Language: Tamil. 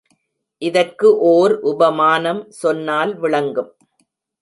இதற்கு ஒர் உபமானம் சொன்னால் விளங்கும்.